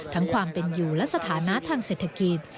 ความเป็นอยู่และสถานะทางเศรษฐกิจ